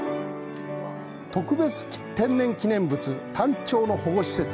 特別天然記念物タンチョウの保護施設。